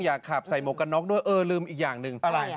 อยากขับใส่หมวกกันน็อกด้วยเออลืมอีกอย่างหนึ่งอะไร